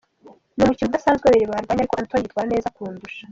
Ni umukino udasanzwe, babiri barwanye ariko Anthony yitwara neza kundusha.